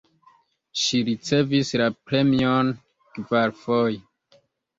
Ŝi ricevis la premion kvarfoje.